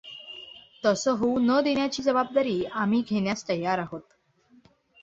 तसं होऊ न देण्याची जबाबदारी आम्ही घेण्यास तयार आहोत.